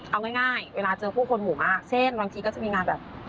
เอาง่ายเวลาเจอผู้คนหมู่มากเช่นบางทีก็จะมีงานแบบ